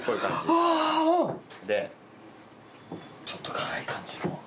ちょっと辛い感じの。